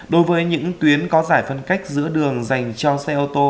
đối với những tuyến có giải phân cách giữa đường dành cho xe ô tô